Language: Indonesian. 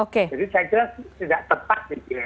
jadi saya kira tidak tepat